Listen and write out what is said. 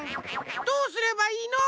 どうすればいいの？